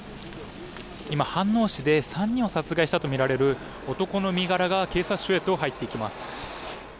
今、飯能市で３人を殺害したとみられる男の身柄が警察署へと入っていきます。